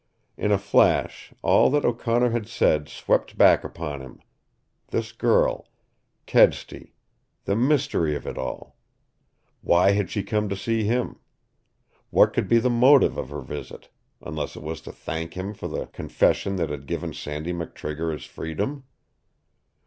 In a flash all that O'Connor had said swept back upon him this girl, Kedsty, the mystery of it all. Why had she come to see him? What could be the motive of her visit unless it was to thank him for the confession that had given Sandy McTrigger his freedom?